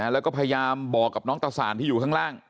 แล้วก็พยายามบอกกับน้องตะสานที่อยู่ข้างล่าง